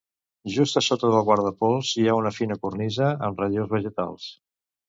Just a sota del guardapols hi ha una fina cornisa amb relleus vegetals.